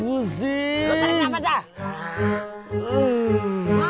lo teringat apa dah